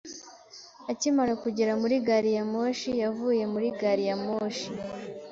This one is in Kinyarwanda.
Akimara kugera muri gari ya moshi, yavuye muri gari ya moshi.